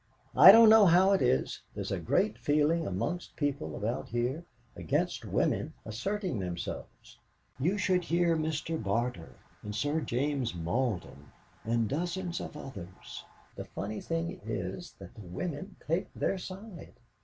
I don't know how it is, there's a great feeling amongst people about here against women asserting themselves. You should hear Mr. Barter and Sir James Malden, and dozens of others; the funny thing is that the women take their side.